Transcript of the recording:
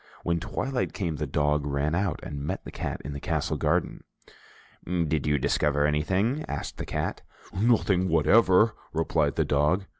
When twilight came, the dog ran out and met the cat in the castle garden. "Did you discover anything?" asked the cat. "Nothing whatever," replied the dog.